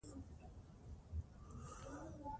افغانستان د ژورې سرچینې د ترویج لپاره پروګرامونه لري.